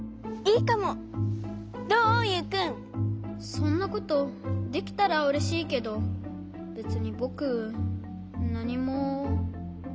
そんなことできたらうれしいけどべつにぼくなにも。